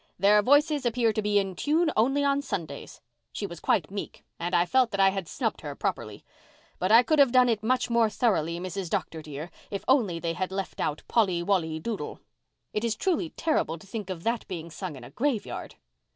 Their voices appear to be in tune only on Sundays!' She was quite meek and I felt that I had snubbed her properly. But I could have done it much more thoroughly, Mrs. Dr. dear, if only they had left out Polly Wolly Doodle. It is truly terrible to think of that being sung in a graveyard."